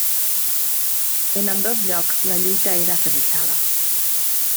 En ambdós llocs la lluita era aferrissada.